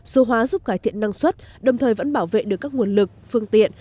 số hóa giúp cải thiện năng suất đồng thời vẫn bảo vệ được các nguồn lực phương tiện